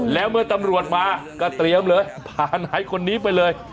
แล้วเมื่อตำรวจมาก็เตรียมเลยพานายคนนี้ไปเลย